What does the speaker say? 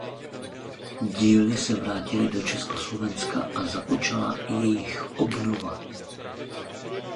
Dílny se vrátily do Československa a započala jejich obnova.